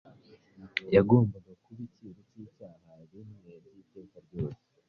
yagombaga kuba icyiru cy’icyaha rimwe by’iteka ryose